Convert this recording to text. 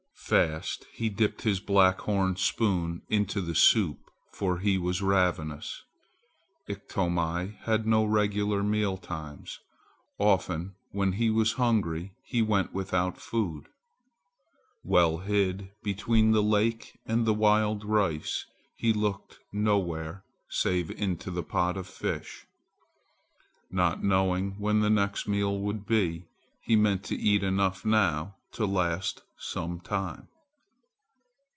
Fast he dipped his black horn spoon into the soup, for he was ravenous. Iktomi had no regular meal times. Often when he was hungry he went without food. Well hid between the lake and the wild rice, he looked nowhere save into the pot of fish. Not knowing when the next meal would be, he meant to eat enough now to last some time.